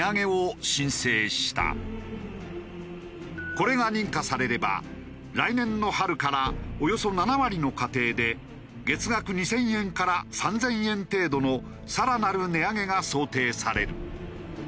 これが認可されれば来年の春からおよそ７割の家庭で月額２０００円から３０００円程度のさらなる値上げが想定される。